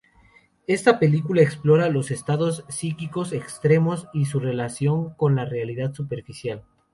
Esta película explora los estados psíquicos extremos y su relación con la realidad superficial.